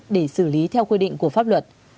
để xử lý theo quy định của pháp luật